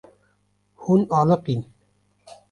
Hûn aliqîn.